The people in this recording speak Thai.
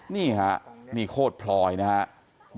นี่ค่ะมีโคตรพลอยนะฮะ